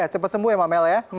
cepat sembuh ya mbak mel ya